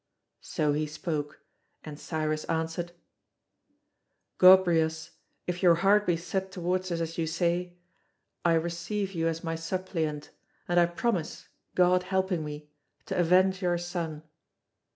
So he spoke, and Cyrus answered: "Gobryas, if your heart be set towards us as you say, I receive you as my suppliant, and I promise, God helping me, to avenge your son.